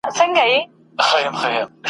خوږې شپې د نعمتونو یې سوې هیري `